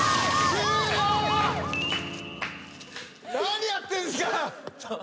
何やってんすか！？